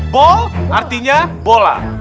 ball artinya bola